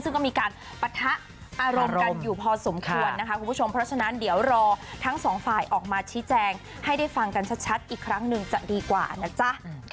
ซึ่งก็มีการปะทะอารมณ์กันอยู่พอสมควรนะคะคุณผู้ชมเพราะฉะนั้นเดี๋ยวรอทั้งสองฝ่ายออกมาชี้แจงให้ได้ฟังกันชัดอีกครั้งหนึ่งจะดีกว่านะจ๊ะ